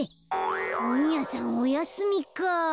ほんやさんおやすみか。